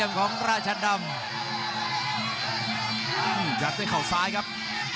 อยากได้เข้าซ้ายครับ